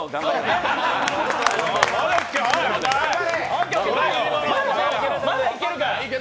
まだいけるから！